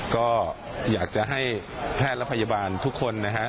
ก็อยากจะให้แพทย์และพยาบาลทุกคนนะฮะ